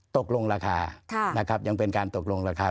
ตกลงราคานะครับยังเป็นการตกลงราคา